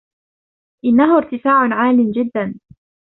انه ارتفاع عال جدا